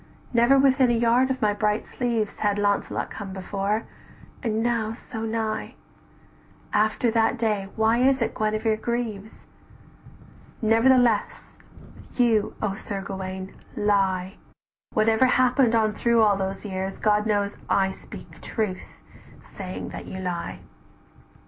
"Never within a yard of my bright sleeves Had Launcelot come before: and now so nigh! After that day why is it Guenevere grieves? "Nevertheless you, O Sir Gauwaine, lie, Whatever happened on through all those years, God knows I speak truth, saying that you lie.